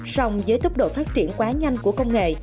song với tốc độ phát triển quá nhanh của công nghệ